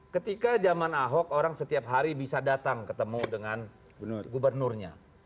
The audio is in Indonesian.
ketika zaman ahok orang setiap hari bisa datang ketemu dengan gubernurnya